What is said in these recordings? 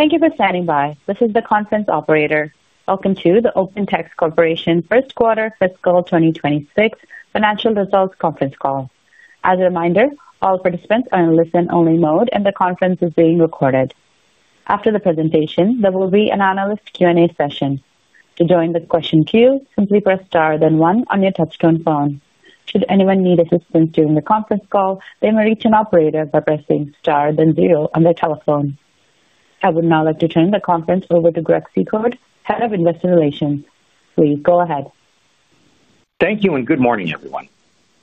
Thank you for standing by. This is the conference operator. Welcome to the OpenText Corporation First Quarter Fiscal 2026 Financial Results Conference Call. As a reminder, all participants are in listen-only mode, and the conference is being recorded. After the presentation, there will be an analyst Q&A session. To join the question queue, simply press star then one on your touch-tone phone. Should anyone need assistance during the conference call, they may reach an operator by pressing star then zero on their telephone. I would now like to turn the conference over to Greg Secord, Head of Investor Relations. Please go ahead. Thank you and good morning, everyone.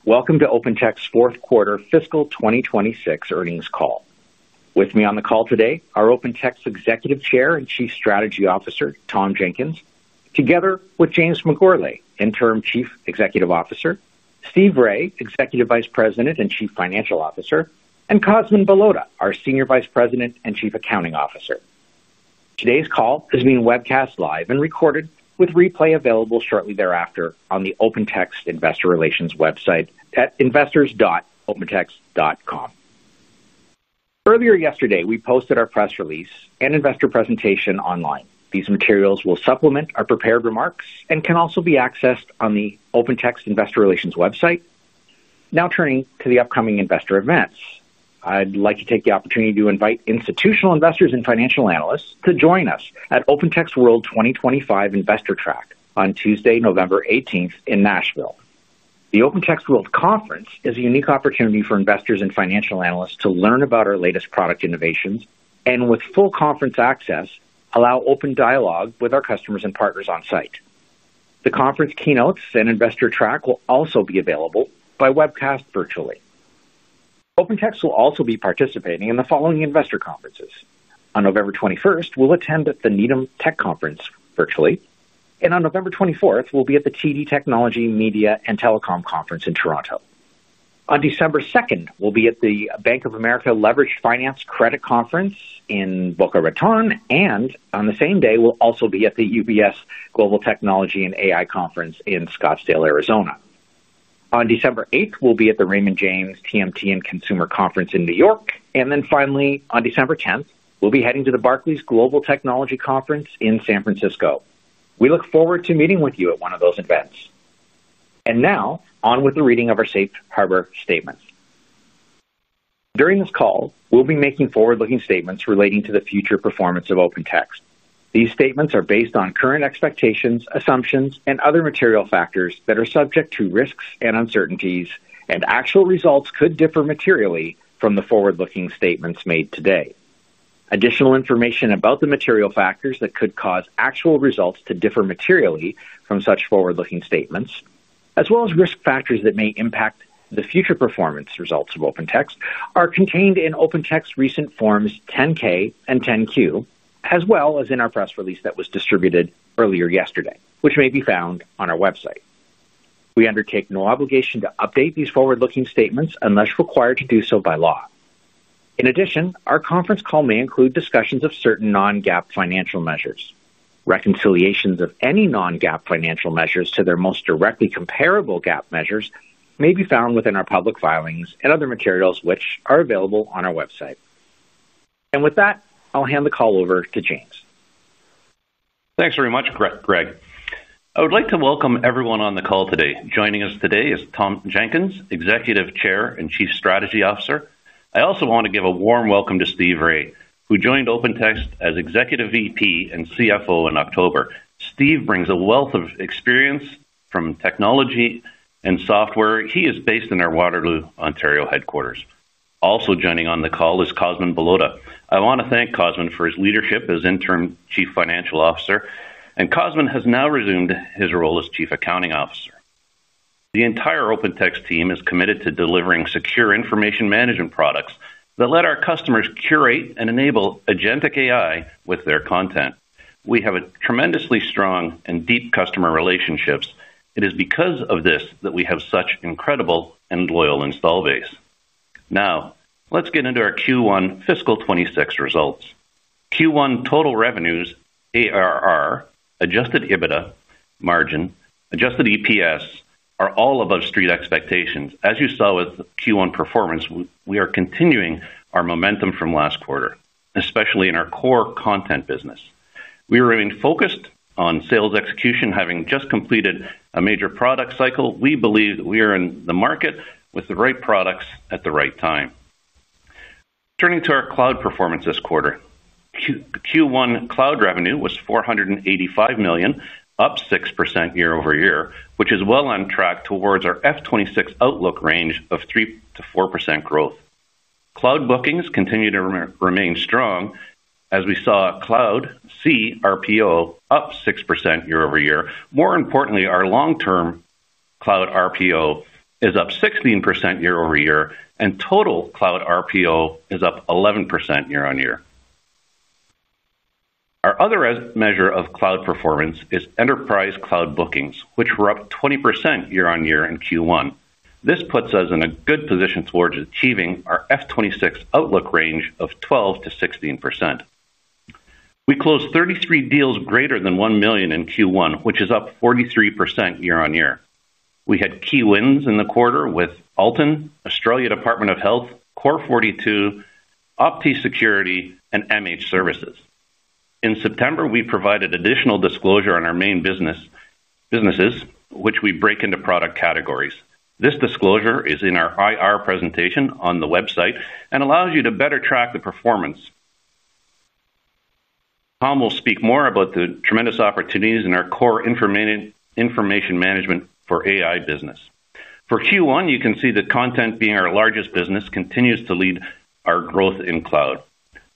Welcome to OpenText's fourth quarter fiscal 2026 earnings call. With me on the call today are OpenText's Executive Chair and Chief Strategy Officer, Tom Jenkins, together with James McGourlay, Interim Chief Executive Officer, Steve Rai, Executive Vice President and Chief Financial Officer, and Cosmin Balota, our Senior Vice President and Chief Accounting Officer. Today's call is being webcast live and recorded, with replay available shortly thereafter on the OpenText Investor Relations website at investors.opentext.com. Earlier yesterday, we posted our press release and investor presentation online. These materials will supplement our prepared remarks and can also be accessed on the OpenText Investor Relations website. Now turning to the upcoming investor events, I'd like to take the opportunity to invite institutional investors and financial analysts to join us at OpenText World 2025 Investor Track on Tuesday, November 18th, in Nashville. The OpenText World Conference is a unique opportunity for investors and financial analysts to learn about our latest product innovations and, with full conference access, allow open dialogue with our customers and partners on site. The conference keynotes and investor track will also be available by webcast virtually. OpenText will also be participating in the following investor conferences. On November 21, we'll attend the Needham Tech Conference virtually, and on November 24, we'll be at the TD Technology Media and Telecom Conference in Toronto. On December 2, we'll be at the Bank of America Leveraged Finance Credit Conference in Boca Raton, and on the same day, we'll also be at the UBS Global Technology and AI Conference in Scottsdale, Arizona. On December 8th, we'll be at the Raymond James TMT and Consumer Conference in New York, and then finally, on December 10th, we'll be heading to the Barclays Global Technology Conference in San Francisco. We look forward to meeting with you at one of those events. Now, on with the reading of our safe rarbor statements. During this call, we'll be making forward-looking statements relating to the future performance of OpenText. These statements are based on current expectations, assumptions, and other material factors that are subject to risks and uncertainties, and actual results could differ materially from the forward-looking statements made today. Additional information about the material factors that could cause actual results to differ materially from such forward-looking statements, as well as risk factors that may impact the future performance results of OpenText, are contained in OpenText's recent forms 10-K and 10-Q, as well as in our press release that was distributed earlier yesterday, which may be found on our website. We undertake no obligation to update these forward-looking statements unless required to do so by law. In addition, our conference call may include discussions of certain non-GAAP financial measures. Reconciliations of any non-GAAP financial measures to their most directly comparable GAAP measures may be found within our public filings and other materials which are available on our website. With that, I'll hand the call over to James. Thanks very much, Greg. I would like to welcome everyone on the call today. Joining us today is Tom Jenkins, Executive Chair and Chief Strategy Officer. I also want to give a warm welcome to Steve Rai, who joined OpenText as Executive VP and CFO in October. Steve brings a wealth of experience from technology and software. He is based in our Waterloo, Ontario headquarters. Also joining on the call is Cosmin Balota. I want to thank Cosmin for his leadership as Interim Chief Financial Officer, and Cosmin has now resumed his role as Chief Accounting Officer. The entire OpenText team is committed to delivering secure information management products that let our customers curate and enable agentic AI with their content. We have tremendously strong and deep customer relationships. It is because of this that we have such incredible and loyal install base. Now, let's get into our Q1 Fiscal 2026 results. Q1 total revenues, ARR, adjusted EBITDA, margin, adjusted EPS are all above street expectations. As you saw with Q1 performance, we are continuing our momentum from last quarter, especially in our core content business. We remain focused on sales execution, having just completed a major product cycle. We believe we are in the market with the right products at the right time. Turning to our cloud performance this quarter. Q1 cloud revenue was $485 million, up 6% year over year, which is well on track towards our F2026 outlook range of 3%-4% growth. Cloud bookings continue to remain strong as we saw cloud CRPO up 6% year over year. More importantly, our long-term cloud RPO is up 16% year over year, and total cloud RPO is up 11% year on year. Our other measure of cloud performance is enterprise cloud bookings, which were up 20% year on year in Q1. This puts us in a good position towards achieving our F2026 outlook range of 12%-16%. We closed 33 deals greater than $1 million in Q1, which is up 43% year on year. We had key wins in the quarter with Alton, Australia Department of Health, Core42, OptiSecurity, and MH Services. In September, we provided additional disclosure on our main businesses, which we break into product categories. This disclosure is in our IR presentation on the website and allows you to better track the performance. Tom will speak more about the tremendous opportunities in our core information management for AI business. For Q1, you can see that content being our largest business continues to lead our growth in cloud.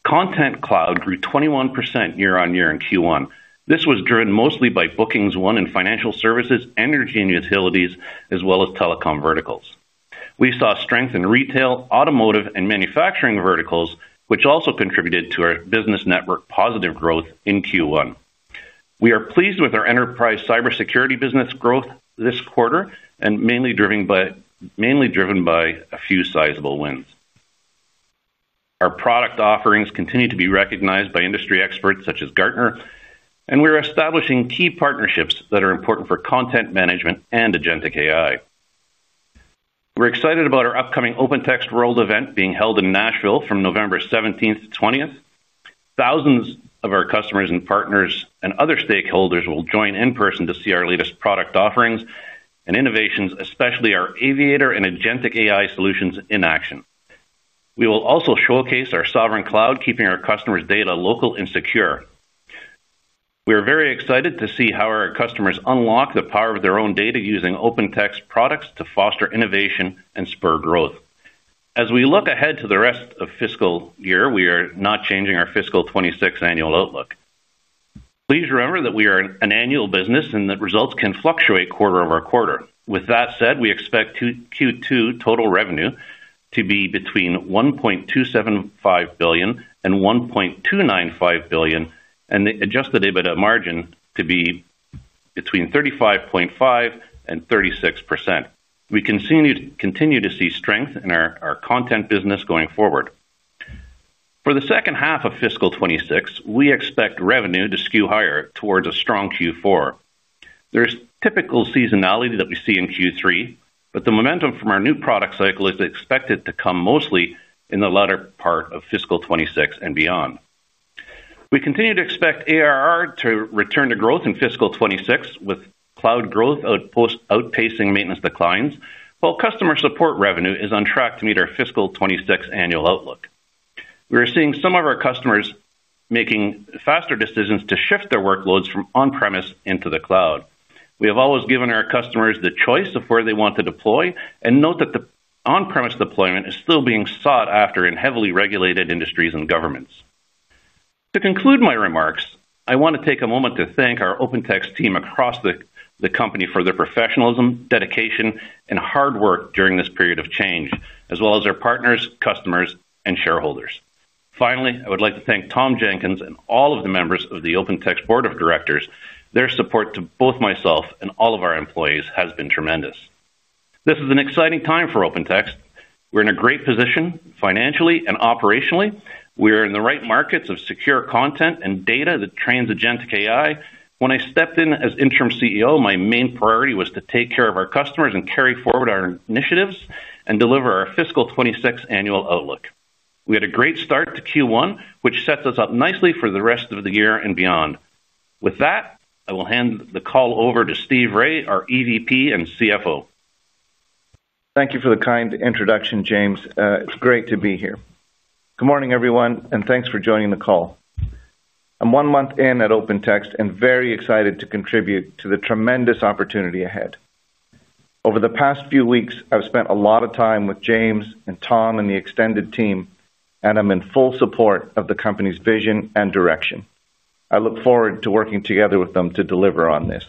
Content Cloud grew 21% year on year in Q1. This was driven mostly by bookings won in financial services, energy and utilities, as well as telecom verticals. We saw strength in retail, automotive, and manufacturing verticals, which also contributed to our business network positive growth in Q1. We are pleased with our enterprise cybersecurity business growth this quarter and mainly driven by a few sizable wins. Our product offerings continue to be recognized by industry experts such as Gartner, and we are establishing key partnerships that are important for content management and agentic AI. We're excited about our upcoming OpenText World event being held in Nashville from November 17th to 20th. Thousands of our customers and partners and other stakeholders will join in person to see our latest product offerings and innovations, especially our Aviator and agentic AI solutions in action. We will also showcase our Sovereign Cloud, keeping our customers' data local and secure. We are very excited to see how our customers unlock the power of their own data using OpenText's products to foster innovation and spur growth. As we look ahead to the rest of the fiscal year, we are not changing our fiscal 2026 annual outlook. Please remember that we are an annual business and that results can fluctuate quarter over quarter. With that said, we expect Q2 total revenue to be between $1.275 billion and $1.295 billion and the adjusted EBITDA margin to be between 35.5% and 36%. We continue to see strength in our content business going forward. For the second half of fiscal 2026, we expect revenue to skew higher towards a strong Q4. There is typical seasonality that we see in Q3, but the momentum from our new product cycle is expected to come mostly in the latter part of fiscal 2026 and beyond. We continue to expect ARR to return to growth in fiscal 2026, with cloud growth outpacing maintenance declines, while customer support revenue is on track to meet our fiscal 2026 annual outlook. We are seeing some of our customers making faster decisions to shift their workloads from on-premise into the cloud. We have always given our customers the choice of where they want to deploy and note that the on-premise deployment is still being sought after in heavily regulated industries and governments. To conclude my remarks, I want to take a moment to thank our OpenText team across the company for their professionalism, dedication, and hard work during this period of change, as well as our partners, customers, and shareholders. Finally, I would like to thank Tom Jenkins and all of the members of the OpenText Board of Directors. Their support to both myself and all of our employees has been tremendous. This is an exciting time for OpenText. We're in a great position financially and operationally. We are in the right markets of secure content and data that trains agentic AI. When I stepped in as Interim CEO, my main priority was to take care of our customers and carry forward our initiatives and deliver our fiscal 2026 annual outlook. We had a great start to Q1, which sets us up nicely for the rest of the year and beyond. With that, I will hand the call over to Steve Rai, our EVP and CFO. Thank you for the kind introduction, James. It's great to be here. Good morning, everyone, and thanks for joining the call. I'm one month in at OpenText and very excited to contribute to the tremendous opportunity ahead. Over the past few weeks, I've spent a lot of time with James and Tom and the extended team, and I'm in full support of the company's vision and direction. I look forward to working together with them to deliver on this.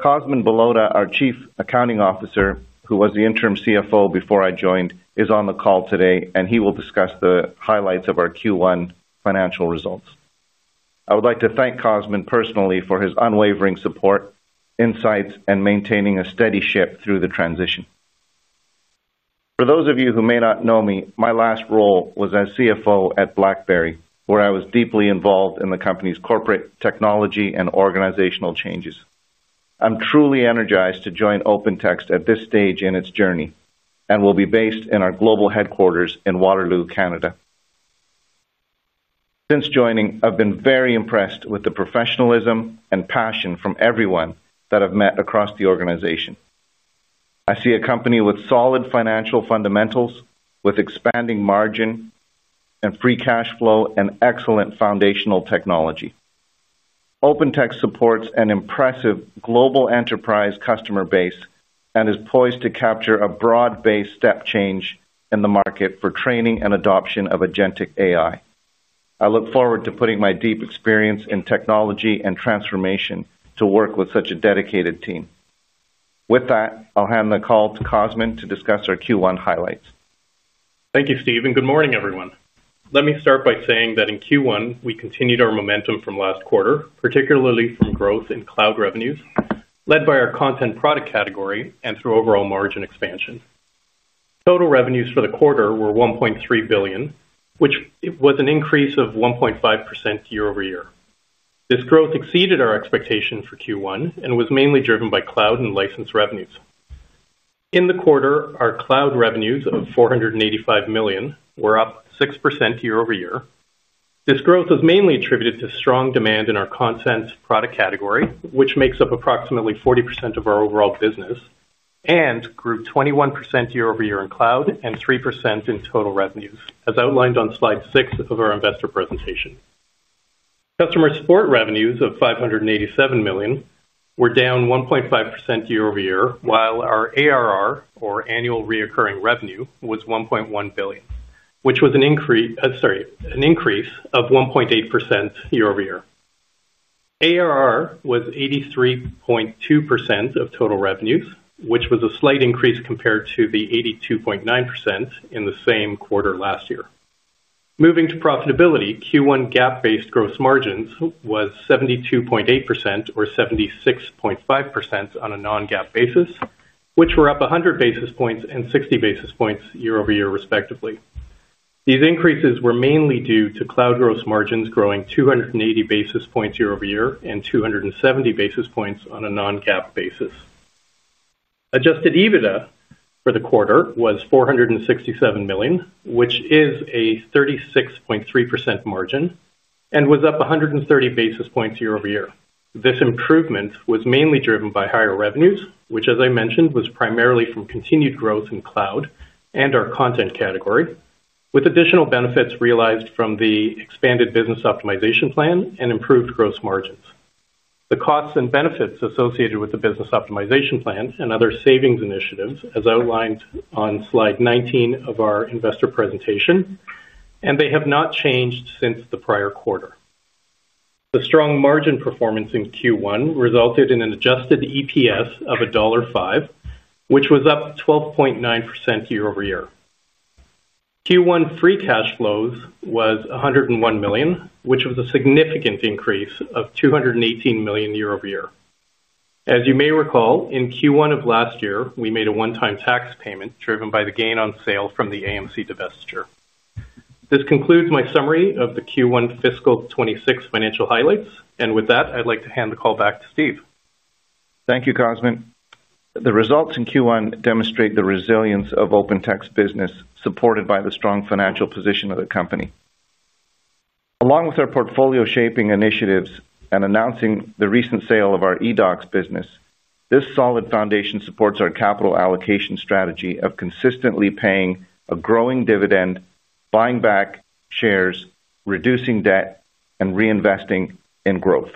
Cosmin Balota, our Chief Accounting Officer, who was the Interim CFO before I joined, is on the call today, and he will discuss the highlights of our Q1 financial results. I would like to thank Cosmin personally for his unwavering support, insights, and maintaining a steady ship through the transition. For those of you who may not know me, my last role was as CFO at BlackBerry, where I was deeply involved in the company's corporate technology and organizational changes. I'm truly energized to join OpenText at this stage in its journey and will be based in our global headquarters in Waterloo, Canada. Since joining, I've been very impressed with the professionalism and passion from everyone that I've met across the organization. I see a company with solid financial fundamentals, with expanding margin and free cash flow, and excellent foundational technology. OpenText supports an impressive global enterprise customer base and is poised to capture a broad-based step change in the market for training and adoption of agentic AI. I look forward to putting my deep experience in technology and transformation to work with such a dedicated team. With that, I'll hand the call to Cosmin to discuss our Q1 highlights. Thank you, Steve, and good morning, everyone. Let me start by saying that in Q1, we continued our momentum from last quarter, particularly from growth in cloud revenues led by our content product category and through overall margin expansion. Total revenues for the quarter were $1.3 billion, which was an increase of 1.5% year over year. This growth exceeded our expectation for Q1 and was mainly driven by cloud and license revenues. In the quarter, our cloud revenues of $485 million were up 6% year over year. This growth is mainly attributed to strong demand in our content product category, which makes up approximately 40% of our overall business. It grew 21% year over year in cloud and 3% in total revenues, as outlined on slide six of our investor presentation. Customer support revenues of $587 million were down 1.5% year over year, while our ARR, or annual recurring revenue, was $1.1 billion, which was an increase of 1.8% year over year. ARR was 83.2% of total revenues, which was a slight increase compared to the 82.9% in the same quarter last year. Moving to profitability, Q1 GAAP-based gross margins was 72.8% or 76.5% on a non-GAAP basis, which were up 100 basis points and 60 basis points year over year, respectively. These increases were mainly due to cloud gross margins growing 280 basis points year over year and 270 basis points on a non-GAAP basis. Adjusted EBITDA for the quarter was $467 million, which is a 36.3% margin and was up 130 basis points year over year. This improvement was mainly driven by higher revenues, which, as I mentioned, was primarily from continued growth in cloud and our content category, with additional benefits realized from the expanded business optimization plan and improved gross margins. The costs and benefits associated with the business optimization plan and other savings initiatives, as outlined on slide 19 of our investor presentation, have not changed since the prior quarter. The strong margin performance in Q1 resulted in an adjusted EPS of $1.05, which was up 12.9% year over year. Q1 free cash flows was $101 million, which was a significant increase of $218 million year over year. As you may recall, in Q1 of last year, we made a one-time tax payment driven by the gain on sale from the AMC divestiture. This concludes my summary of the Q1 Fiscal 2026 financial highlights. With that, I'd like to hand the call back to Steve. Thank you, Cosmin. The results in Q1 demonstrate the resilience of OpenText's business supported by the strong financial position of the company. Along with our portfolio shaping initiatives and announcing the recent sale of our eDocs business, this solid foundation supports our capital allocation strategy of consistently paying a growing dividend, buying back shares, reducing debt, and reinvesting in growth.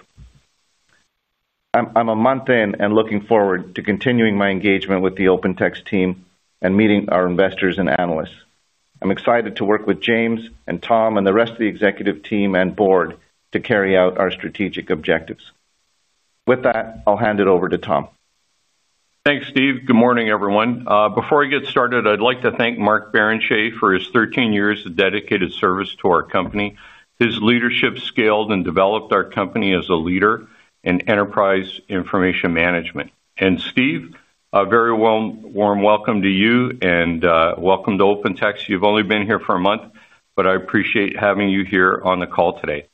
I'm a month in and looking forward to continuing my engagement with the OpenText team and meeting our investors and analysts. I'm excited to work with James and Tom and the rest of the executive team and board to carry out our strategic objectives. With that, I'll hand it over to Tom. Thanks, Steve. Good morning, everyone. Before I get started, I'd like to thank Mark Barrenechea for his 13 years of dedicated service to our company. His leadership scaled and developed our company as a leader in enterprise information management. Steve, a very warm welcome to you and welcome to OpenText. You've only been here for a month, but I appreciate having you here on the call today.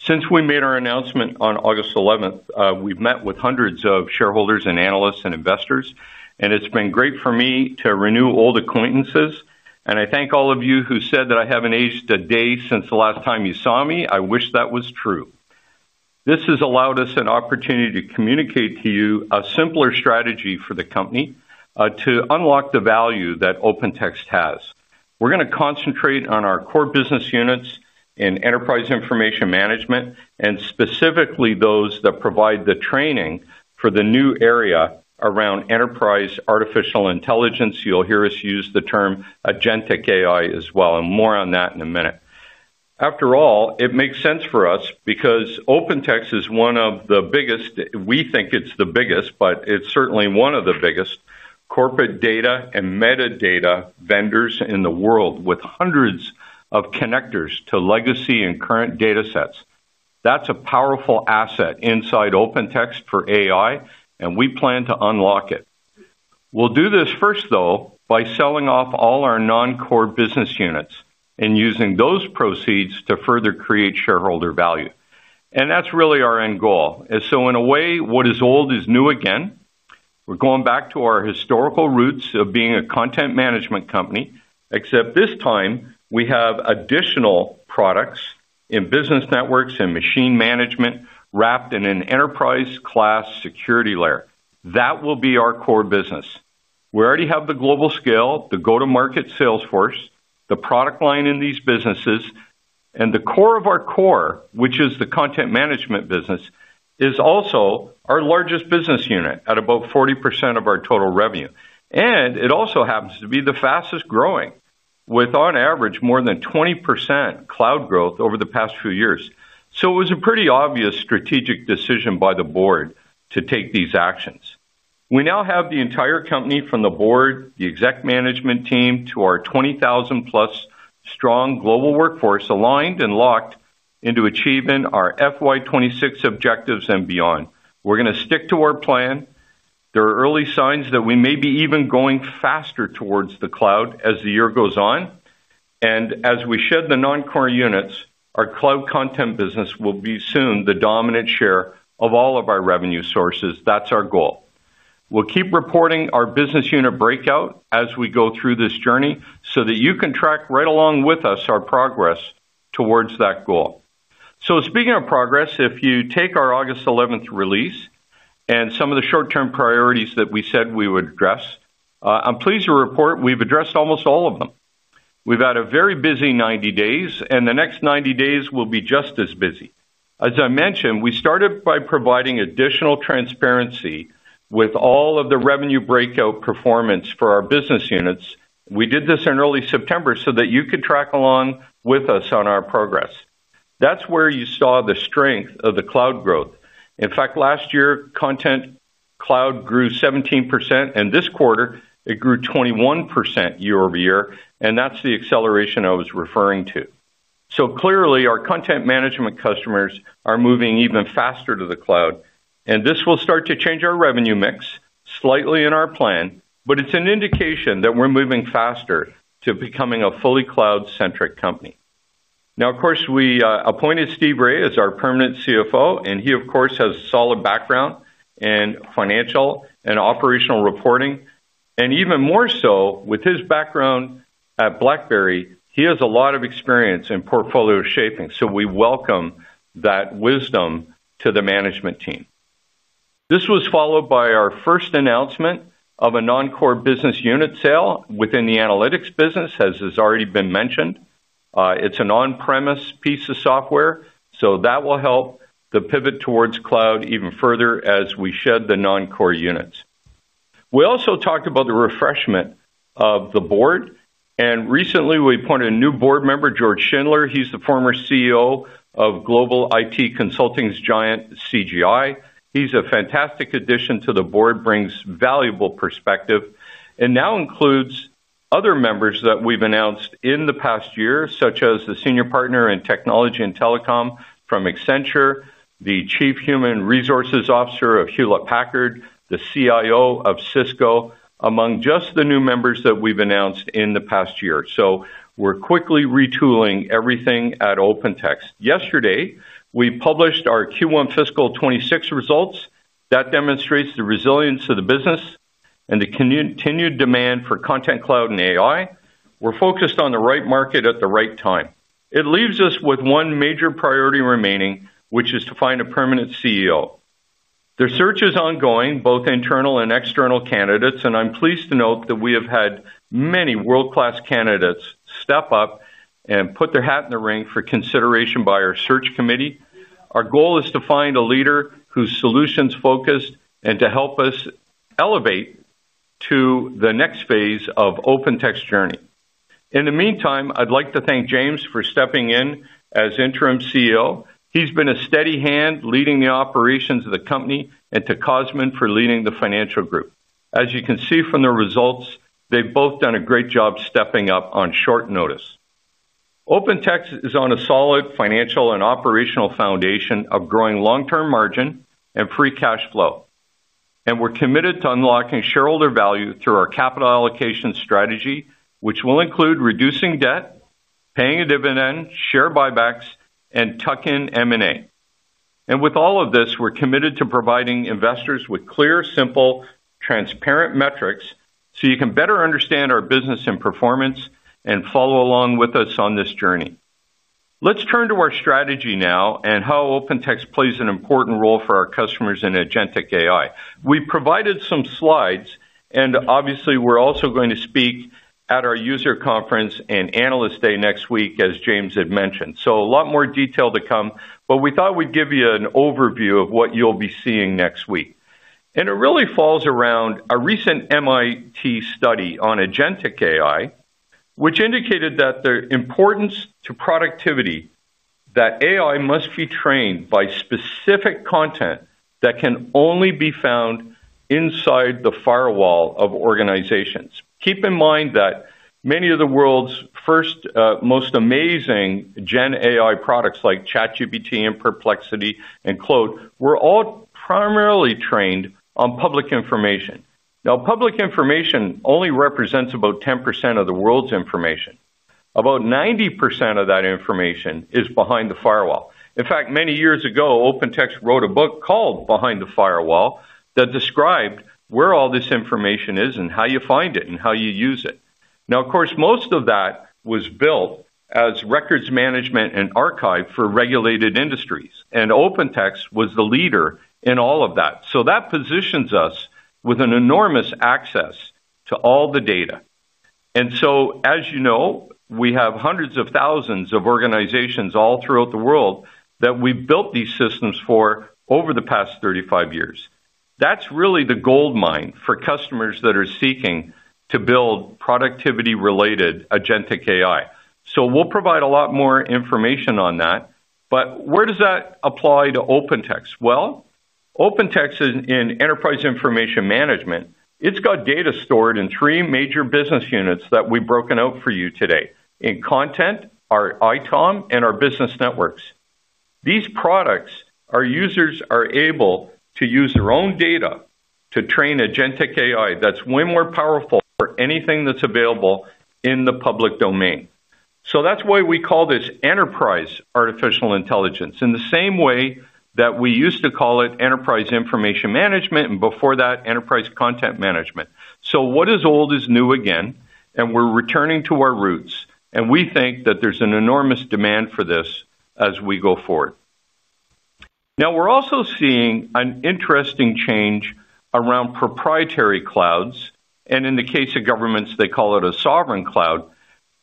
Since we made our announcement on August 11, we've met with hundreds of shareholders and analysts and investors, and it's been great for me to renew old acquaintances. I thank all of you who said that I haven't aged a day since the last time you saw me. I wish that was true. This has allowed us an opportunity to communicate to you a simpler strategy for the company to unlock the value that OpenText has. We're going to concentrate on our core business units in enterprise information management and specifically those that provide the training for the new area around enterprise artificial intelligence. You'll hear us use the term agentic AI as well, and more on that in a minute. After all, it makes sense for us because OpenText is one of the biggest—we think it's the biggest, but it's certainly one of the biggest corporate data and metadata vendors in the world, with hundreds of connectors to legacy and current data sets. That's a powerful asset inside OpenText for AI, and we plan to unlock it. We'll do this first, though, by selling off all our non-core business units and using those proceeds to further create shareholder value. That's really our end goal. In a way, what is old is new again. We're going back to our historical roots of being a content management company, except this time we have additional products in business networks and machine management wrapped in an enterprise-class security layer. That will be our core business. We already have the global scale, the go-to-market salesforce, the product line in these businesses, and the core of our core, which is the content management business, is also our largest business unit at about 40% of our total revenue. It also happens to be the fastest growing, with, on average, more than 20% cloud growth over the past few years. It was a pretty obvious strategic decision by the board to take these actions. We now have the entire company from the board, the executive management team, to our 20,000-plus strong global workforce aligned and locked into achieving our FY26 objectives and beyond. We're going to stick to our plan. There are early signs that we may be even going faster towards the cloud as the year goes on. As we shed the non-core units, our cloud content business will be soon the dominant share of all of our revenue sources. That's our goal. We'll keep reporting our business unit breakout as we go through this journey so that you can track right along with us our progress towards that goal. Speaking of progress, if you take our August 11th release and some of the short-term priorities that we said we would address, I'm pleased to report we've addressed almost all of them. We've had a very busy 90 days, and the next 90 days will be just as busy. As I mentioned, we started by providing additional transparency with all of the revenue breakout performance for our business units. We did this in early September so that you could track along with us on our progress. That is where you saw the strength of the cloud growth. In fact, last year, Content Cloud grew 17%, and this quarter it grew 21% year over year. That is the acceleration I was referring to. Clearly, our content management customers are moving even faster to the cloud. This will start to change our revenue mix slightly in our plan, but it is an indication that we are moving faster to becoming a fully cloud-centric company. Of course, we appointed Steve Rai as our permanent CFO, and he, of course, has a solid background in financial and operational reporting. Even more so, with his background at BlackBerry, he has a lot of experience in portfolio shaping. We welcome that wisdom to the management team. This was followed by our first announcement of a non-core business unit sale within the analytics business, as has already been mentioned. It's an on-premise piece of software, so that will help the pivot towards cloud even further as we shed the non-core units. We also talked about the refreshment of the board. Recently, we appointed a new board member, George Schindler. He's the former CEO of global IT consulting giant CGI. He's a fantastic addition to the board, brings valuable perspective, and now includes other members that we've announced in the past year, such as the senior partner in technology and telecom from Accenture, the Chief Human Resources Officer of Hewlett-Packard, the CIO of Cisco, among just the new members that we've announced in the past year. We're quickly retooling everything at OpenText. Yesterday, we published our Q1 Fiscal 2026 results that demonstrate the resilience of the business and the continued demand for Content Cloud and AI. We're focused on the right market at the right time. It leaves us with one major priority remaining, which is to find a permanent CEO. The search is ongoing, both internal and external candidates. I'm pleased to note that we have had many world-class candidates step up and put their hat in the ring for consideration by our search committee. Our goal is to find a leader whose solutions are focused and to help us elevate to the next phase of OpenText's journey. In the meantime, I'd like to thank James for stepping in as Interim CEO. He's been a steady hand leading the operations of the company and to Cosmin for leading the financial group. As you can see from the results, they've both done a great job stepping up on short notice. OpenText is on a solid financial and operational foundation of growing long-term margin and free cash flow. We are committed to unlocking shareholder value through our capital allocation strategy, which will include reducing debt, paying a dividend, share buybacks, and tucking M&A. With all of this, we are committed to providing investors with clear, simple, transparent metrics so you can better understand our business and performance and follow along with us on this journey. Let's turn to our strategy now and how OpenText plays an important role for our customers in agentic AI. We provided some slides, and obviously, we are also going to speak at our user conference and analyst day next week, as James had mentioned. A lot more detail to come, but we thought we'd give you an overview of what you'll be seeing next week. It really falls around a recent MIT study on agentic AI, which indicated that the importance to productivity is that AI must be trained by specific content that can only be found inside the firewall of organizations. Keep in mind that many of the world's first, most amazing Gen AI products like ChatGPT and Perplexity and Claude were all primarily trained on public information. Now, public information only represents about 10% of the world's information. About 90% of that information is behind the firewall. In fact, many years ago, OpenText wrote a book called Behind the Firewall that described where all this information is and how you find it and how you use it. Now, of course, most of that was built as records management and archive for regulated industries. OpenText was the leader in all of that. That positions us with an enormous access to all the data. As you know, we have hundreds of thousands of organizations all throughout the world that we've built these systems for over the past 35 years. That's really the gold mine for customers that are seeking to build productivity-related agentic AI. We'll provide a lot more information on that. Where does that apply to OpenText? OpenText in enterprise information management, it's got data stored in three major business units that we've broken out for you today: in content, our ITOM, and our business networks. These products, our users are able to use their own data to train agentic AI. That's way more powerful for anything that's available in the public domain. That is why we call this enterprise artificial intelligence, in the same way that we used to call it enterprise information management and before that, enterprise content management. What is old is new again, and we're returning to our roots. We think that there's an enormous demand for this as we go forward. Now, we're also seeing an interesting change around proprietary clouds. In the case of governments, they call it a sovereign cloud.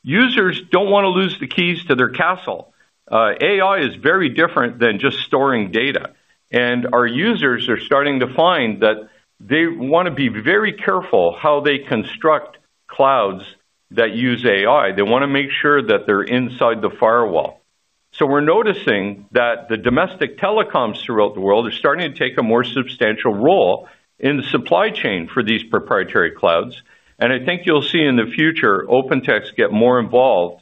Users do not want to lose the keys to their castle. AI is very different than just storing data. Our users are starting to find that they want to be very careful how they construct clouds that use AI. They want to make sure that they're inside the firewall. We're noticing that the domestic telecoms throughout the world are starting to take a more substantial role in the supply chain for these proprietary clouds. I think you'll see in the future OpenText get more involved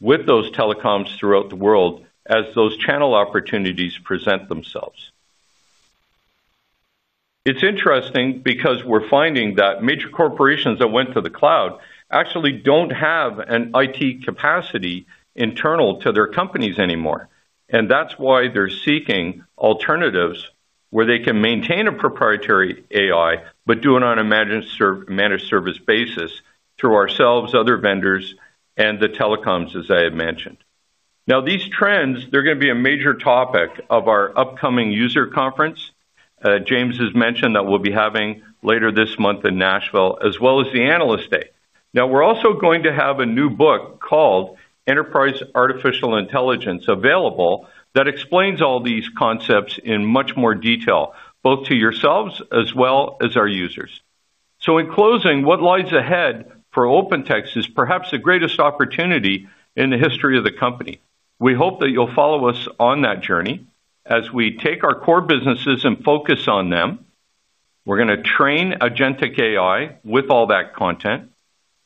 with those telecoms throughout the world as those channel opportunities present themselves. It's interesting because we're finding that major corporations that went to the cloud actually don't have an IT capacity internal to their companies anymore. That's why they're seeking alternatives where they can maintain a proprietary AI but do it on a managed service basis through ourselves, other vendors, and the telecoms, as I had mentioned. Now, these trends, they're going to be a major topic of our upcoming user conference. James has mentioned that we'll be having later this month in Nashville, as well as the analyst day. Now, we're also going to have a new book called Enterprise Artificial Intelligence available that explains all these concepts in much more detail, both to yourselves as well as our users. In closing, what lies ahead for OpenText is perhaps the greatest opportunity in the history of the company. We hope that you'll follow us on that journey as we take our core businesses and focus on them. We're going to train agentic AI with all that content.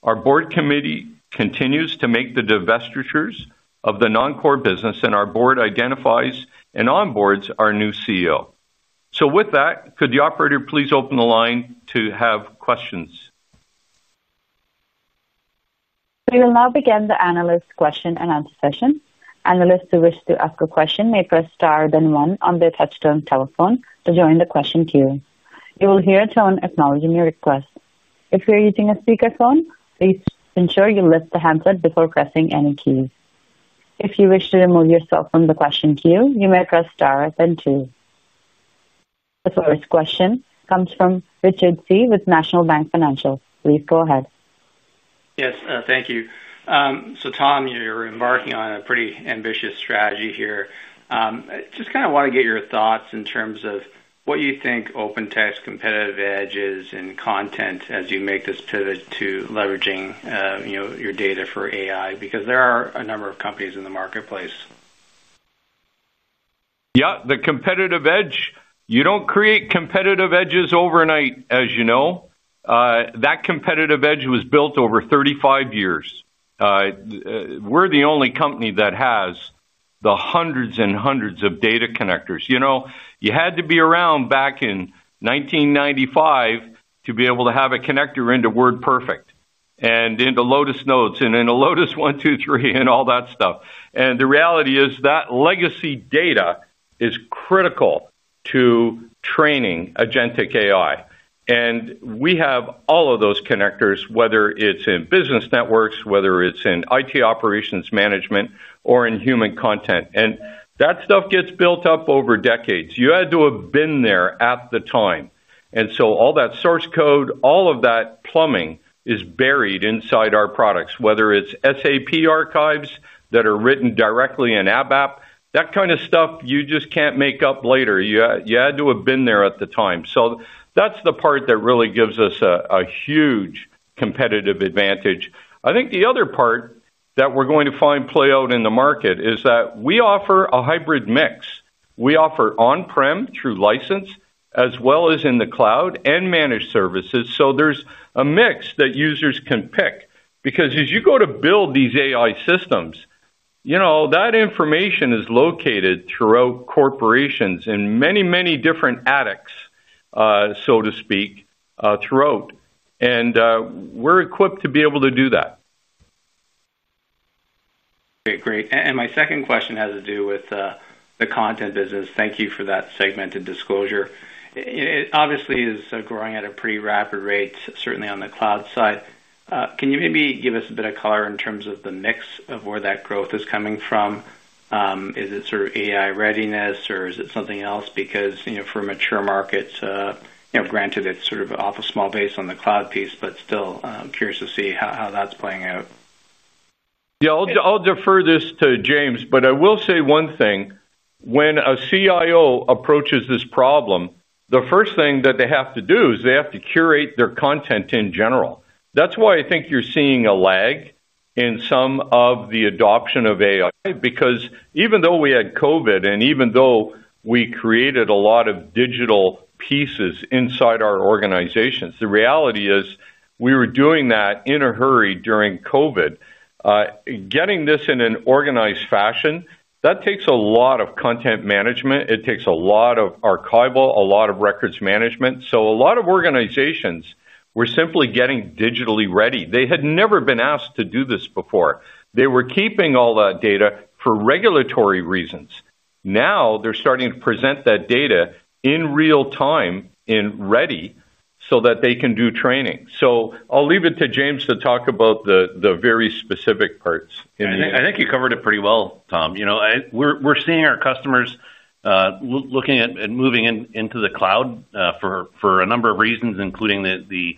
Our board committee continues to make the divestitures of the non-core business, and our board identifies and onboards our new CEO. With that, could the operator please open the line to have questions? We will now begin the analyst question and answer session. Analysts who wish to ask a question may press star then one on their touch-tone telephone to join the question queue. You will hear a tone acknowledging your request. If you're using a speakerphone, please ensure you lift the handset before pressing any keys. If you wish to remove yourself from the question queue, you may press star then two. The first question comes from Richard C. with National Bank Financial. Please go ahead. Yes, thank you. Tom, you're embarking on a pretty ambitious strategy here. Just kind of want to get your thoughts in terms of what you think OpenText's competitive edge is in content as you make this pivot to leveraging your data for AI, because there are a number of companies in the marketplace. Yeah, the competitive edge, you don't create competitive edges overnight, as you know. That competitive edge was built over 35 years. We're the only company that has the hundreds and hundreds of data connectors. You had to be around back in 1995 to be able to have a connector into WordPerfect and into Lotus Notes and into Lotus 1-2-3 and all that stuff. The reality is that legacy data is critical to training agentic AI. We have all of those connectors, whether it's in business networks, whether it's in IT operations management, or in human content. That stuff gets built up over decades. You had to have been there at the time. All that source code, all of that plumbing is buried inside our products, whether it's SAP archives that are written directly in ABAP, that kind of stuff you just can't make up later. You had to have been there at the time. That's the part that really gives us a huge competitive advantage. I think the other part that we're going to find play out in the market is that we offer a hybrid mix. We offer on-prem through license, as well as in the cloud and managed services. There is a mix that users can pick. Because as you go to build these AI systems, that information is located throughout corporations in many, many different attics, so to speak, throughout. And we're equipped to be able to do that. Great, great. My second question has to do with the content business. Thank you for that segmented disclosure. It obviously is growing at a pretty rapid rate, certainly on the cloud side. Can you maybe give us a bit of color in terms of the mix of where that growth is coming from? Is it sort of AI readiness, or is it something else? Because for mature markets, granted, it's sort of off a small base on the cloud piece, but still curious to see how that's playing out. Yeah, I'll defer this to James, but I will say one thing. When a CIO approaches this problem, the first thing that they have to do is they have to curate their content in general. That's why I think you're seeing a lag in some of the adoption of AI, because even though we had COVID and even though we created a lot of digital pieces inside our organizations, the reality is we were doing that in a hurry during COVID. Getting this in an organized fashion, that takes a lot of content management. It takes a lot of archival, a lot of records management. So a lot of organizations were simply getting digitally ready. They had never been asked to do this before. They were keeping all that data for regulatory reasons. Now they're starting to present that data in real time and ready so that they can do training. I'll leave it to James to talk about the very specific parts. I think you covered it pretty well, Tom. We're seeing our customers looking at moving into the cloud for a number of reasons, including the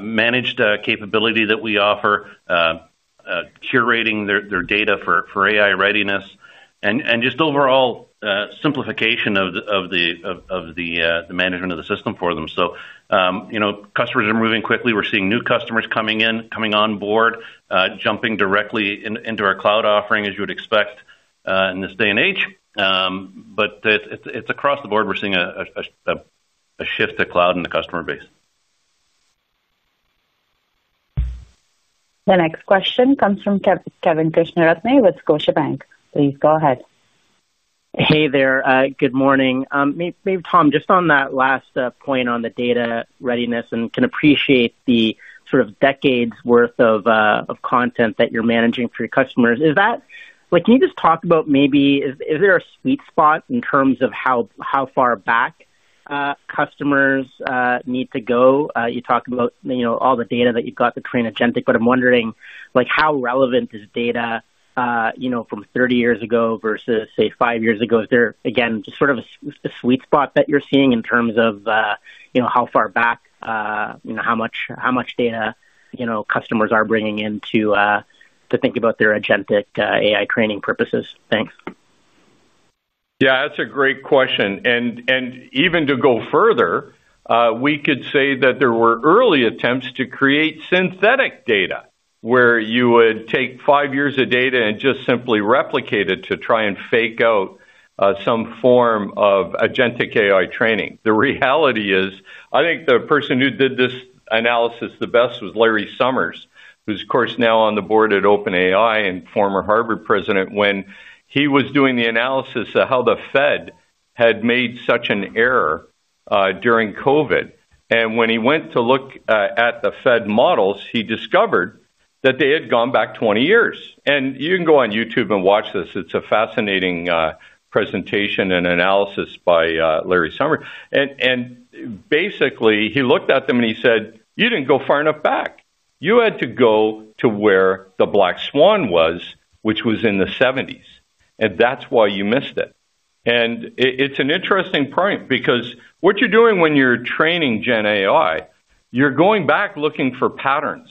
managed capability that we offer, curating their data for AI readiness, and just overall simplification of the management of the system for them. Customers are moving quickly. We're seeing new customers coming in, coming on board, jumping directly into our cloud offering, as you would expect in this day and age. It's across the board. We're seeing a shift to cloud in the customer base. The next question comes from Kevin Krishnaratne with Scotiabank. Please go ahead. Hey there. Good morning. Tom, just on that last point on the data readiness, and can appreciate the sort of decades' worth of content that you're managing for your customers. Can you just talk about maybe is there a sweet spot in terms of how far back customers need to go? You talked about all the data that you've got to train agentic, but I'm wondering how relevant is data from 30 years ago versus, say, five years ago? Is there, again, just sort of a sweet spot that you're seeing in terms of how far back, how much data customers are bringing in to think about their agentic AI training purposes? Thanks. Yeah, that's a great question. And even to go further, we could say that there were early attempts to create synthetic data where you would take five years of data and just simply replicate it to try and fake out. Some form of agentic AI training. The reality is, I think the person who did this analysis the best was Larry Summers, who's, of course, now on the board at OpenAI and former Harvard president when he was doing the analysis of how the Fed had made such an error during COVID. When he went to look at the Fed models, he discovered that they had gone back 20 years. You can go on YouTube and watch this. It's a fascinating presentation and analysis by Larry Summers. Basically, he looked at them and he said, "You didn't go far enough back. You had to go to where the black swan was, which was in the 1970s. That's why you missed it." It's an interesting point because what you're doing when you're training Gen AI, you're going back looking for patterns.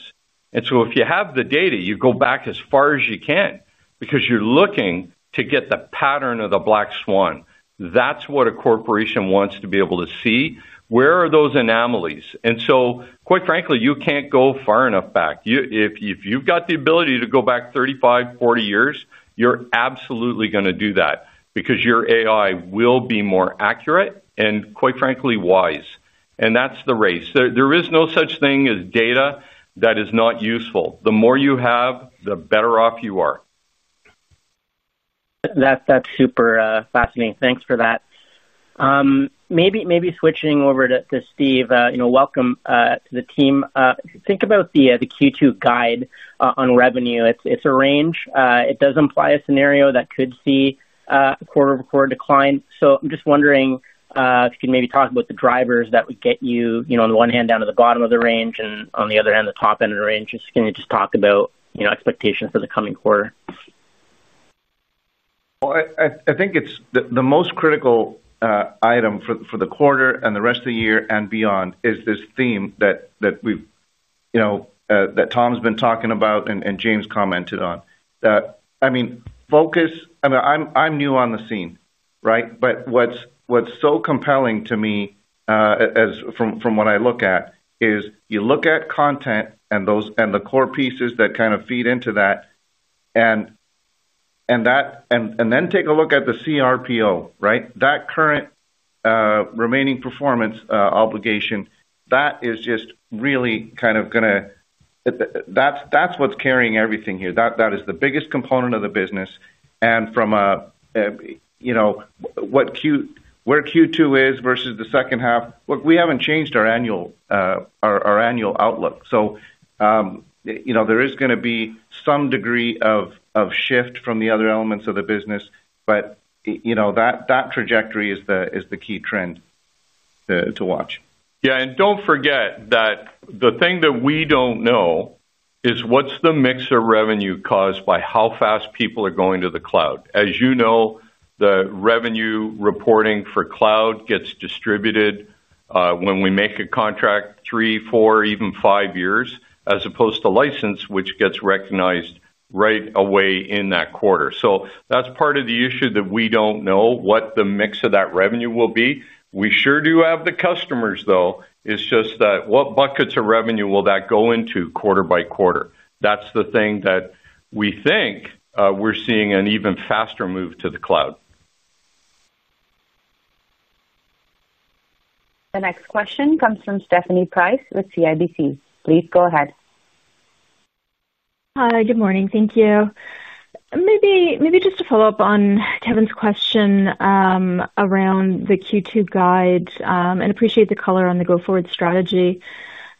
If you have the data, you go back as far as you can because you're looking to get the pattern of the black swan. That's what a corporation wants to be able to see. Where are those anomalies? Quite frankly, you can't go far enough back. If you've got the ability to go back 35, 40 years, you're absolutely going to do that because your AI will be more accurate and, quite frankly, wise. That's the race. There is no such thing as data that is not useful. The more you have, the better off you are. That's super fascinating. Thanks for that. Maybe switching over to Steve, welcome to the team. Think about the Q2 guide on revenue. It's a range. It does imply a scenario that could see a quarter-over-quarter decline. I'm just wondering if you can maybe talk about the drivers that would get you, on the one hand, down to the bottom of the range and, on the other hand, the top end of the range. Can you just talk about expectations for the coming quarter? I think the most critical item for the quarter and the rest of the year and beyond is this theme that Tom's been talking about and James commented on. I mean, focus, I mean, I'm new on the scene, right? What's so compelling to me, from what I look at, is you look at content and the core pieces that kind of feed into that. Then take a look at the CRPO, right? That current remaining performance obligation, that is just really kind of going to, that's what's carrying everything here. That is the biggest component of the business. From what Q2 is versus the second half, look, we have not changed our annual outlook. There is going to be some degree of shift from the other elements of the business, but that trajectory is the key trend to watch. Yeah, and do not forget that the thing that we do not know is what is the mix of revenue caused by how fast people are going to the cloud. As you know, the revenue reporting for cloud gets distributed when we make a contract three, four, even five years, as opposed to license, which gets recognized right away in that quarter. That is part of the issue that we do not know what the mix of that revenue will be. We sure do have the customers, though. It is just that what buckets of revenue will that go into quarter by quarter? That's the thing that we think we're seeing an even faster move to the cloud. The next question comes from Stephanie Price with CIBC. Please go ahead. Hi, good morning. Thank you. Maybe just to follow up on Kevin's question. Around the Q2 guide and appreciate the color on the go forward strategy.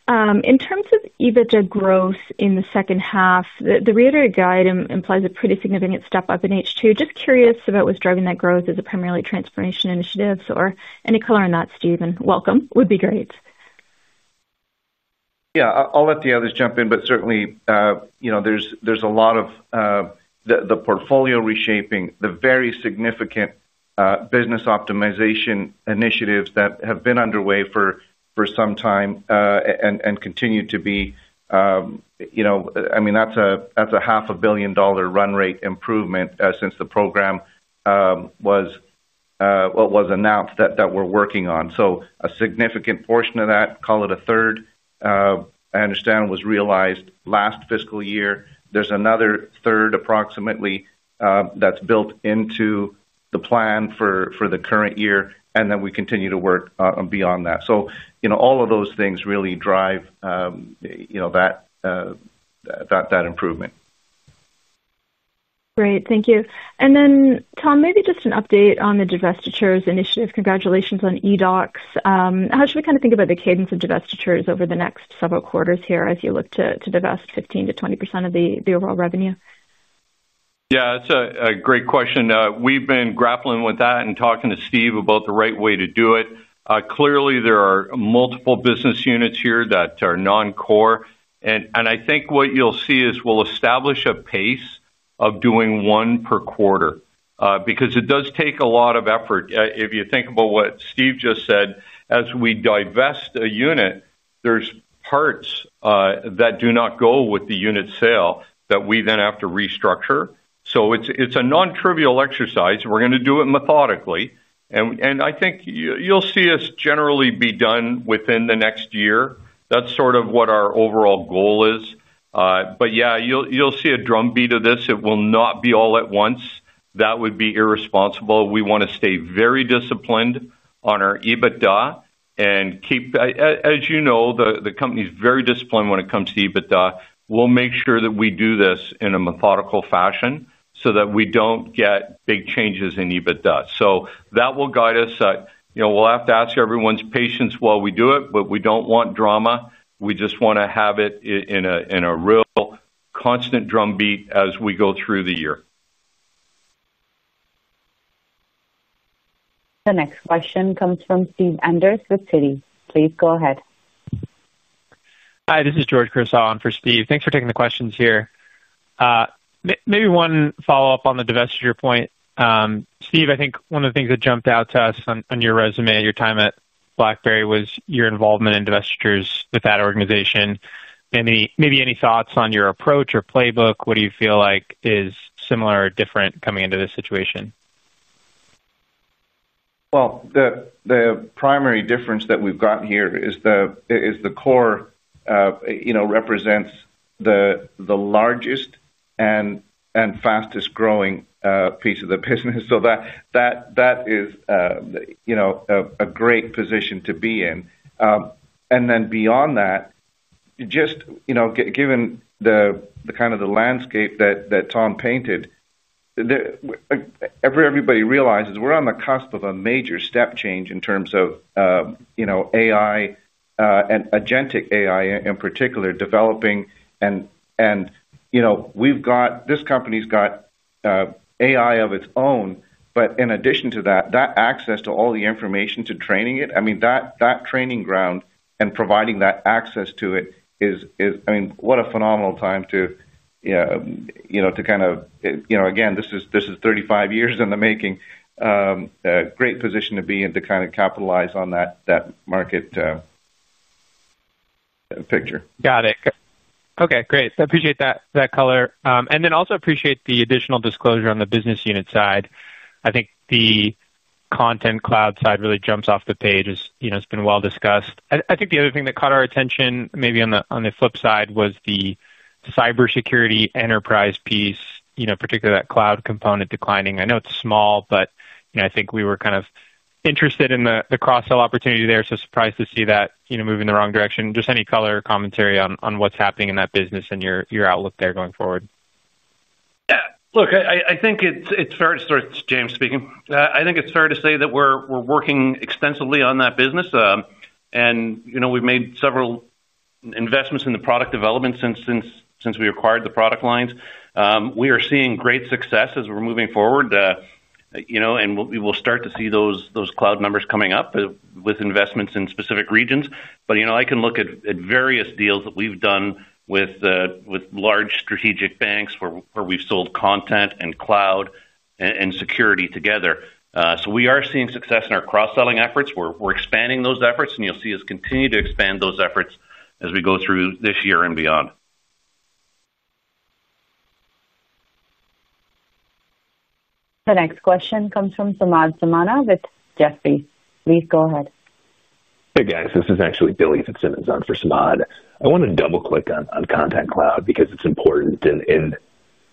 In terms of EBITDA growth in the second half, the reiterated guide implies a pretty significant step up in H2. Just curious about what's driving that growth. Is it primarily transformation initiatives or any color on that, Steve? Welcome. Would be great. Yeah, I'll let the others jump in, but certainly. There's a lot of the portfolio reshaping, the very significant business optimization initiatives that have been underway for some time and continue to be. I mean, that's a half a billion dollar run rate improvement since the program was announced that we're working on. A significant portion of that, call it a third. I understand, was realized last fiscal year. There's another third approximately that's built into the plan for the current year, and then we continue to work beyond that. All of those things really drive that improvement. Great. Thank you. Then, Tom, maybe just an update on the divestitures initiative. Congratulations on eDocs. How should we kind of think about the cadence of divestitures over the next several quarters here as you look to divest 15%-20% of the overall revenue? Yeah, that's a great question. We've been grappling with that and talking to Steve about the right way to do it. Clearly, there are multiple business units here that are non-core. I think what you'll see is we'll establish a pace of doing one per quarter because it does take a lot of effort. If you think about what Steve just said, as we divest a unit, there are parts that do not go with the unit sale that we then have to restructure. It is a non-trivial exercise. We are going to do it methodically. I think you will see us generally be done within the next year. That is sort of what our overall goal is. You will see a drumbeat of this. It will not be all at once. That would be irresponsible. We want to stay very disciplined on our EBITDA and keep, as you know, the company is very disciplined when it comes to EBITDA. We will make sure that we do this in a methodical fashion so that we do not get big changes in EBITDA. That will guide us. We will have to ask everyone's patience while we do it, but we do not want drama. We just want to have it in a real constant drumbeat as we go through the year. The next question comes from Steve Anders with Citi. Please go ahead. Hi, this is George Kriss on for Steve. Thanks for taking the questions here. Maybe one follow-up on the divestiture point. Steve, I think one of the things that jumped out to us on your resume, your time at BlackBerry, was your involvement in divestitures with that organization. Maybe any thoughts on your approach or playbook? What do you feel like is similar or different coming into this situation? The primary difference that we've got here is the core represents the largest and fastest growing piece of the business. That is a great position to be in. Beyond that, just given the kind of the landscape that Tom painted. Everybody realizes we're on the cusp of a major step change in terms of AI, and agentic AI in particular, developing. We've got, this company's got AI of its own, but in addition to that, that access to all the information to training it, I mean, that training ground and providing that access to it is, I mean, what a phenomenal time to, kind of, again, this is 35 years in the making. Great position to be in to kind of capitalize on that market picture. Got it. Okay, great. I appreciate that color. I also appreciate the additional disclosure on the business unit side. I think the Content Cloud side really jumps off the page. It's been well discussed. I think the other thing that caught our attention maybe on the flip side was the cybersecurity enterprise piece, particularly that cloud component declining. I know it's small, but I think we were kind of interested in the cross-sell opportunity there, so surprised to see that moving the wrong direction. Just any color commentary on what's happening in that business and your outlook there going forward? Yeah. Look, I think it's fair to start with James speaking. I think it's fair to say that we're working extensively on that business. And we've made several investments in the product development since we acquired the product lines. We are seeing great success as we're moving forward. We will start to see those cloud numbers coming up with investments in specific regions. I can look at various deals that we've done with large strategic banks where we've sold content and cloud and security together. We are seeing success in our cross-selling efforts. We're expanding those efforts, and you'll see us continue to expand those efforts as we go through this year and beyond. The next question comes from Samad Samana with Jefferies. Please go ahead. Hey, guys. This is actually Billy Fitzsimmons on for Samad. I want to double-click on Content Cloud because it's important. And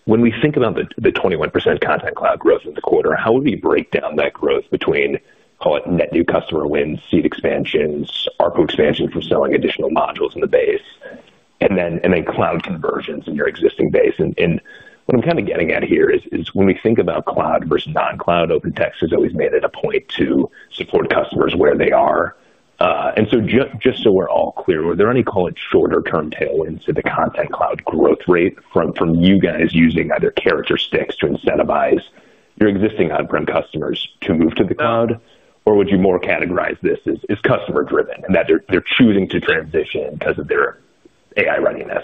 when we think about the 21% Content Cloud growth in the quarter, how would we break down that growth between, call it, net new customer wins, seat expansions, ARPU expansion from selling additional modules in the base, and then cloud conversions in your existing base? And what I'm kind of getting at here is when we think about cloud versus non-cloud, OpenText has always made it a point to support customers where they are. Just so we're all clear, were there any, call it, shorter-term tailwinds to the Content Cloud growth rate from you guys using other characteristics to incentivize your existing on-prem customers to move to the cloud? Would you more categorize this as customer-driven and that they're choosing to transition because of their AI readiness?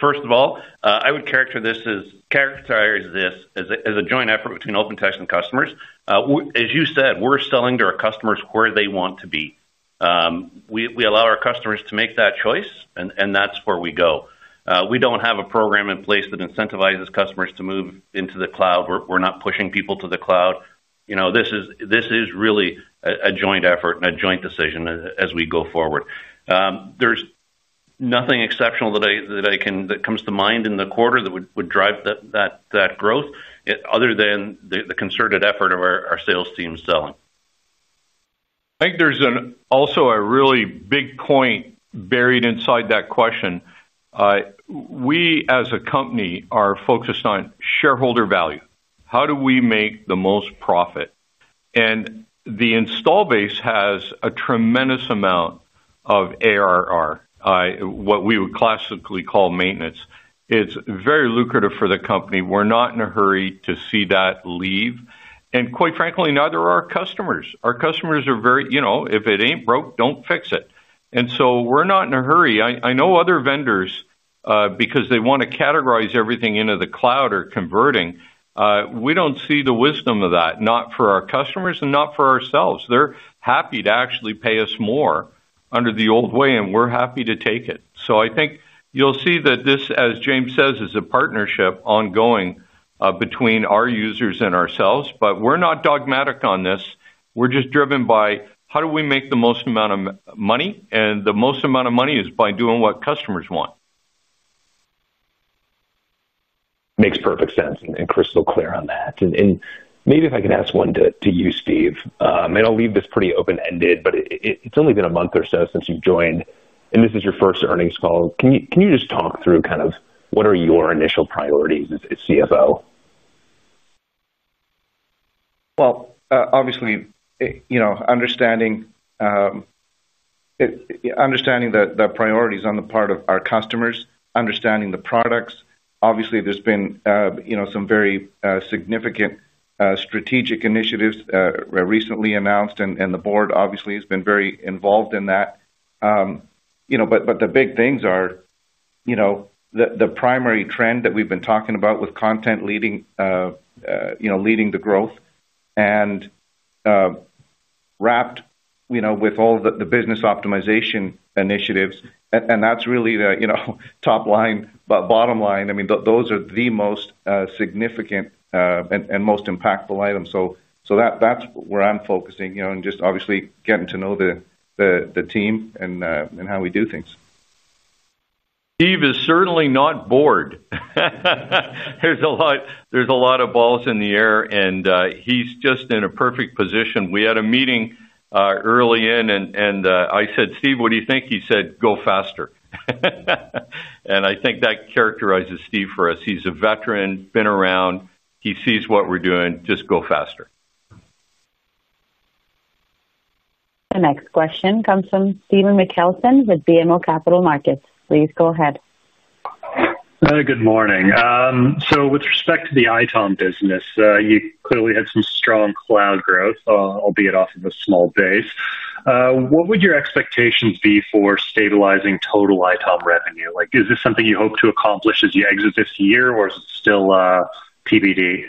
First of all, I would characterize this as a joint effort between OpenText and customers. As you said, we're selling to our customers where they want to be. We allow our customers to make that choice, and that's where we go. We do not have a program in place that incentivizes customers to move into the cloud. We're not pushing people to the cloud. This is really a joint effort and a joint decision as we go forward. There's nothing exceptional that comes to mind in the quarter that would drive that growth other than the concerted effort of our sales team selling. I think there's also a really big point buried inside that question. We, as a company, are focused on shareholder value. How do we make the most profit? And the install base has a tremendous amount of ARR, what we would classically call maintenance. It's very lucrative for the company. We're not in a hurry to see that leave. Quite frankly, neither are our customers. Our customers are very, "If it ain't broke, don't fix it." We're not in a hurry. I know other vendors, because they want to categorize everything into the cloud or converting, we don't see the wisdom of that, not for our customers and not for ourselves. They're happy to actually pay us more under the old way, and we're happy to take it. I think you'll see that this, as James says, is a partnership ongoing between our users and ourselves. We're not dogmatic on this. We're just driven by how do we make the most amount of money, and the most amount of money is by doing what customers want. Makes perfect sense and crystal clear on that. Maybe if I can ask one to you, Steve, and I'll leave this pretty open-ended, but it's only been a month or so since you've joined, and this is your first earnings call. Can you just talk through kind of what are your initial priorities as CFO? Obviously, understanding the priorities on the part of our customers, understanding the products. Obviously, there's been some very significant strategic initiatives recently announced, and the board obviously has been very involved in that. The big things are the primary trend that we've been talking about with content leading the growth and wrapped with all the business optimization initiatives. That's really the top line, but bottom line, I mean, those are the most significant and most impactful items. That's where I'm focusing and just obviously getting to know the team and how we do things. Steve is certainly not bored. There's a lot of balls in the air, and he's just in a perfect position. We had a meeting early in, and I said, "Steve, what do you think?" He said, "Go faster." I think that characterizes Steve for us. He's a veteran, been around. He sees what we're doing. Just go faster. The next question comes from [Stephen MacLeod] with BMO Capital Markets. Please go ahead. Good morning. With respect to the ITOM business, you clearly had some strong cloud growth, albeit off of a small base. What would your expectations be for stabilizing total ITOM revenue? Is this something you hope to accomplish as you exit this year, or is it still TBD?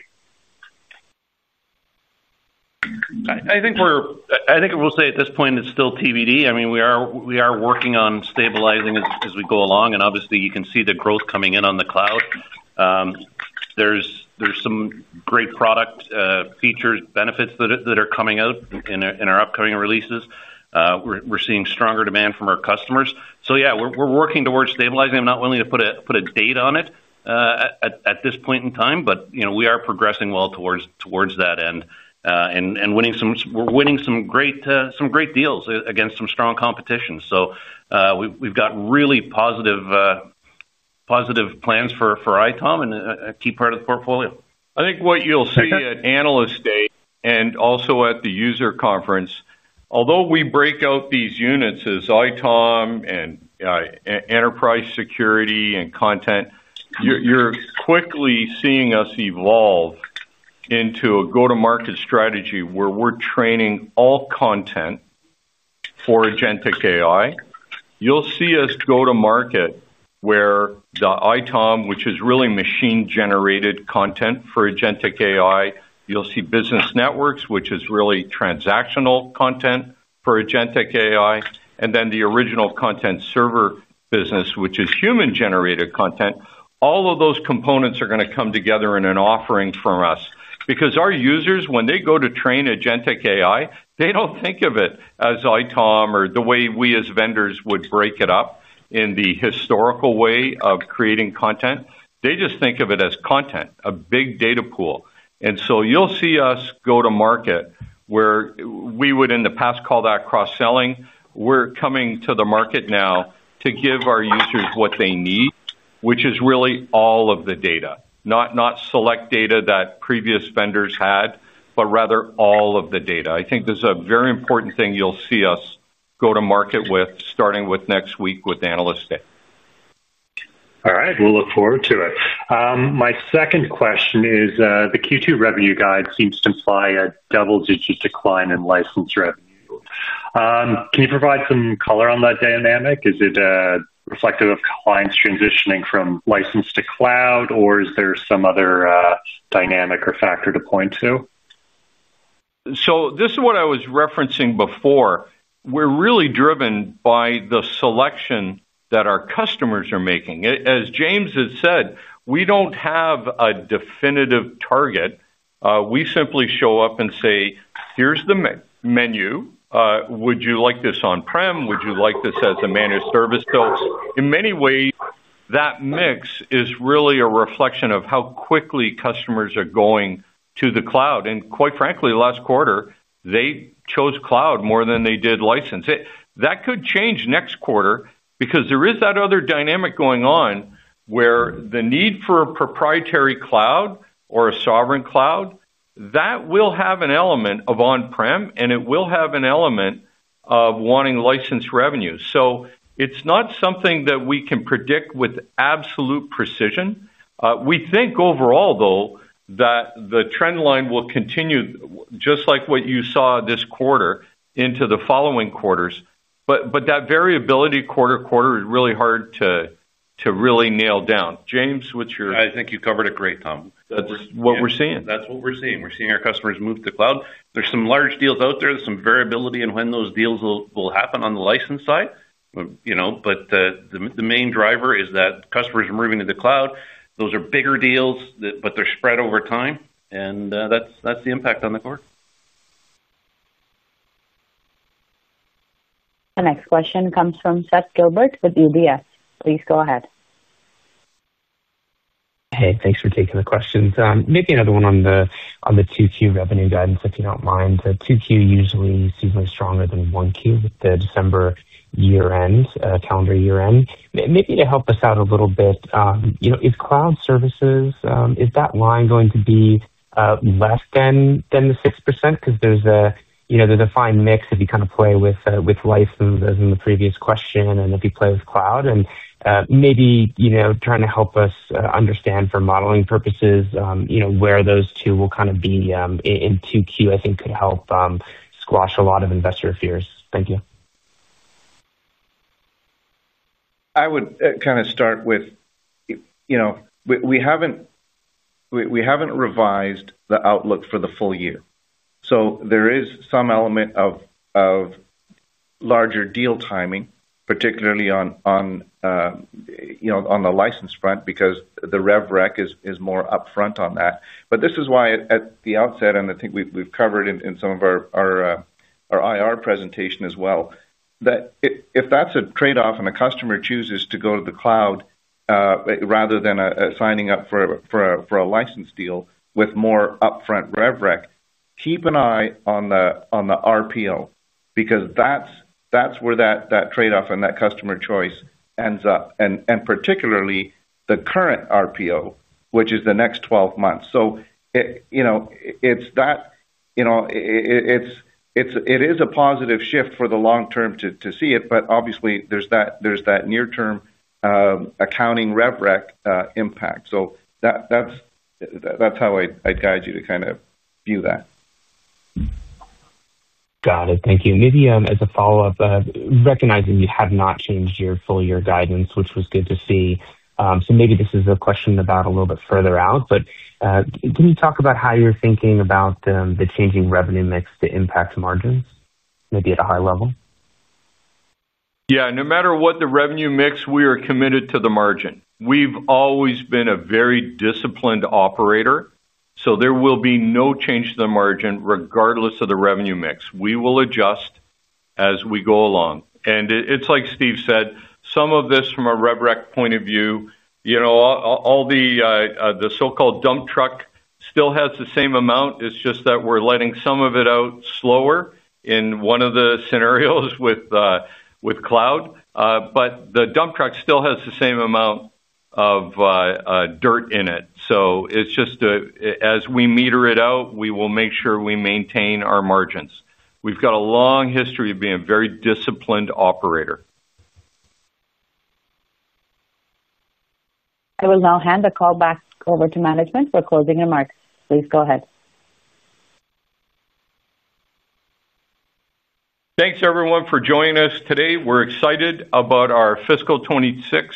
I think we'll say at this point it's still TBD. I mean, we are working on stabilizing as we go along, and obviously, you can see the growth coming in on the cloud. There are some great product features, benefits that are coming out in our upcoming releases. We're seeing stronger demand from our customers. Yeah, we're working towards stabilizing. I'm not willing to put a date on it at this point in time, but we are progressing well towards that end. We're winning some great deals against some strong competition. We have really positive plans for ITOM and a key part of the portfolio. I think what you'll see at analyst day and also at the user conference, although we break out these units as ITOM and enterprise security and content, you're quickly seeing us evolve into a go-to-market strategy where we're training all content for agentic AI. You'll see us go to market where the ITOM, which is really machine-generated content for agentic AI. You'll see business networks, which is really transactional content for agentic AI. And then the original content server business, which is human-generated content. All of those components are going to come together in an offering for us. Because our users, when they go to train agentic AI, they don't think of it as ITOM or the way we as vendors would break it up in the historical way of creating content. They just think of it as content, a big data pool. You'll see us go-to-market where we would, in the past, call that cross-selling. We're coming to the market now to give our users what they need, which is really all of the data, not select data that previous vendors had, but rather all of the data. I think there's a very important thing you'll see us go-to-market with starting with next week with analyst day. All right. We'll look forward to it. My second question is the Q2 revenue guide seems to imply a double-digit decline in license revenue. Can you provide some color on that dynamic? Is it reflective of clients transitioning from license to cloud, or is there some other dynamic or factor to point to? This is what I was referencing before. We're really driven by the selection that our customers are making. As James has said, we don't have a definitive target. We simply show up and say, "Here's the menu. Would you like this on-prem? Would you like this as a managed service?" In many ways, that mix is really a reflection of how quickly customers are going to the cloud. Quite frankly, last quarter, they chose cloud more than they did license. That could change next quarter because there is that other dynamic going on, where the need for a proprietary cloud or a sovereign cloud, that will have an element of on-prem, and it will have an element of wanting license revenue. It's not something that we can predict with absolute precision. We think overall, though, that the trend line will continue just like what you saw this quarter into the following quarters. That variability quarter-to-quarter is really hard to really nail down. James, what's your— I think you covered it great, Tom. That's what we're seeing. We're seeing our customers move to cloud. There are some large deals out there. There is some variability in when those deals will happen on the license side. The main driver is that customers are moving to the cloud. Those are bigger deals, but they're spread over time. That's the impact on the quarter. The next question comes from Seth Gilbert with UBS. Please go ahead. Hey, thanks for taking the questions. Maybe another one on the Q2 revenue guidance, if you don't mind. Q2 usually seems stronger than 1Q with the December calendar year-end. Maybe to help us out a little bit, if cloud services, is that line going to be less than the 6%? Because there's a fine mix if you kind of play with license as in the previous question and if you play with cloud. Maybe trying to help us understand for modeling purposes where those two will kind of be in 2Q, I think could help squash a lot of investor fears. Thank you. I would kind of start with we haven't revised the outlook for the full year. There is some element of larger deal timing, particularly on the license front because the RevRec is more upfront on that. This is why at the outset, and I think we've covered in some of our. IR presentation as well, that if that's a trade-off and a customer chooses to go to the cloud. Rather than signing up for a license deal with more upfront RevRec, keep an eye on the RPO because that's where that trade-off and that customer choice ends up. Particularly the current RPO, which is the next 12 months. It is a positive shift for the long term to see it, but obviously, there's that near-term accounting RevRec impact. That's how I'd guide you to kind of view that. Got it. Thank you. Maybe as a follow-up, recognizing you have not changed your full-year guidance, which was good to see. Maybe this is a question about a little bit further out, but can you talk about how you're thinking about the changing revenue mix to impact margins? Maybe at a high level. Yeah. No matter what the revenue mix, we are committed to the margin. We've always been a very disciplined operator, so there will be no change to the margin regardless of the revenue mix. We will adjust as we go along. It's like Steve said, some of this from a RevRec point of view. All the so-called dump truck still has the same amount. It's just that we're letting some of it out slower in one of the scenarios with cloud. The dump truck still has the same amount of dirt in it. As we meter it out, we will make sure we maintain our margins. We've got a long history of being a very disciplined operator. I will now hand the call back over to management for closing remarks. Please go ahead. Thanks, everyone, for joining us today. We're excited about our fiscal 2026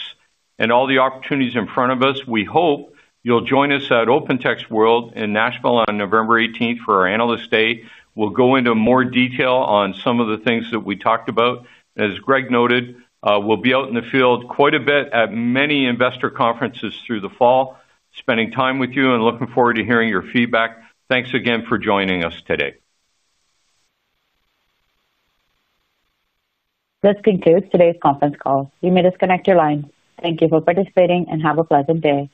and all the opportunities in front of us. We hope you'll join us at OpenText World in Nashville on November 18th for our analyst day. We'll go into more detail on some of the things that we talked about. As Greg noted, we'll be out in the field quite a bit at many investor conferences through the fall, spending time with you and looking forward to hearing your feedback. Thanks again for joining us today. This concludes today's conference call. You may disconnect your line. Thank you for participating and have a pleasant day.